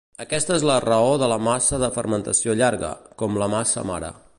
Aquesta és la raó de la massa de fermentació llarga, com la massa mare.